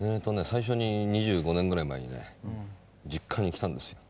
最初に２５年ぐらい前にね実家に来たんですよ。